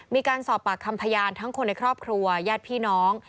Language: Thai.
มีการสอบปากคำพยานทั้งคนในครอบครัวญาติพี่น้อง